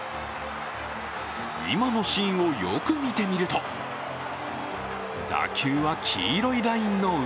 今のシーンをよく見てみると、打球は黄色いラインの上。